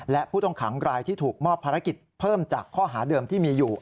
และผู้ต้องขังรายที่ถูกมอบภารกิจเพิ่มจากข้อหาเดิมที่มีอยู่